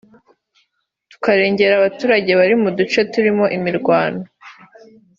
tukarengera abaturage bari mu duce turimo imirwano